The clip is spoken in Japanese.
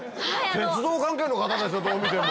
鉄道関係の方でしょどう見ても。